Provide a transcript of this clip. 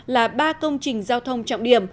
là ba công trình giao thông trọng điểm